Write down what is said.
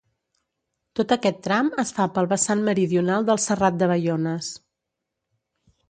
Tot aquest tram es fa pel vessant meridional del Serrat de Baiones.